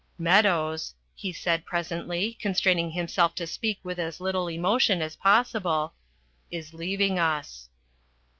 "Meadows," he said presently, constraining himself to speak with as little emotion as possible, "is leaving us."